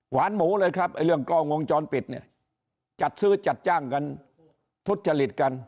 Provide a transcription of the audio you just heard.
หมูเลยครับไอ้เรื่องกล้องวงจรปิดเนี่ยจัดซื้อจัดจ้างกันทุจจริตกัน